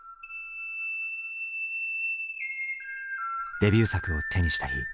デビュー作を手にした日。